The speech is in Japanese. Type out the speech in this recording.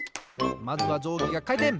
まずはじょうぎがかいてん！